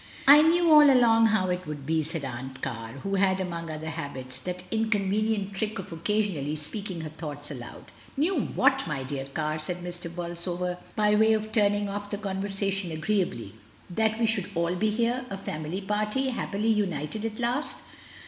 "I knew all along how it would be," said Aunt Car, who had, among other habits, that incon venient trick of occasionally speaking her thoughts aloud. "Knew whaty my dear Car?" said Mr. Bolsover, by way of turning off the conversation agreeably; "that we should all be here — a family party, hap pily united at last?"